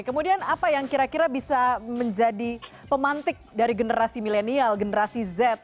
kemudian apa yang kira kira bisa menjadi pemantik dari generasi milenial generasi z